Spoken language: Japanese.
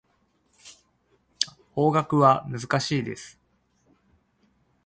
法学は難しいです。